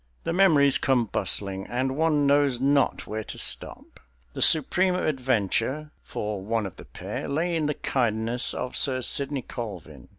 The memories come bustling, and one knows not where to stop. The supreme adventure, for one of the pair, lay in the kindness of Sir Sidney Colvin.